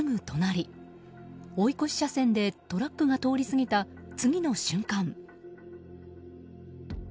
高速道路を走る車のすぐ隣追い越し車線でトラックが通り過ぎた、次の瞬間。